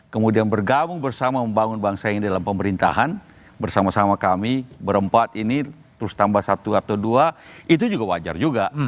kemudian bergabung bersama membangun bangsa ini dalam pemerintahan bersama sama kami berempat ini terus tambah satu atau dua itu juga wajar juga